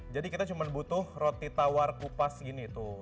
jadi kita cuma butuh roti tawar kupas gini tuh